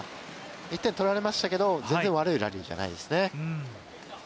１点取られましたけど全然悪いラリーじゃないですね。